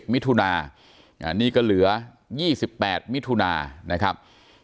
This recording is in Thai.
มิถุนานี่ก็เหลือ๒๘มิถุนานะครับ